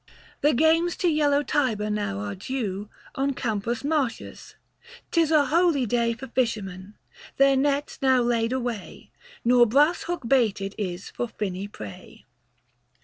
The games to yellow Tiber now are due On Campus Martius. This is a holy day For fishermen ; their nets now laid away, Nor brass hook baited is for finny prey.